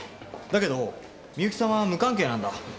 だけどみゆきさんは無関係なんだ。